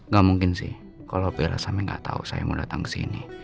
gak mungkin sih kalau pela sampe gak tau saya mau datang kesini